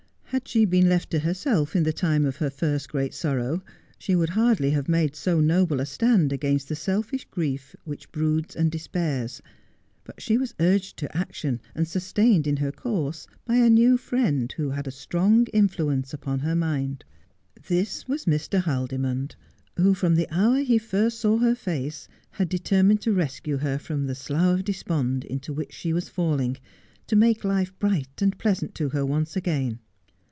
Had she been left to herself in the time of her first great sorrow she would hardly have made so noble a stand against the selfish grief which broods and despairs ; but she was urged to action and sustained in her course by a new friend who had a strong influence upon her mind. This was Mr. Haldimond, who, from the hour he first saw her face, had determined to rescue her from the slough of despond into which she was falling, to make life bright and pleasant to her once again.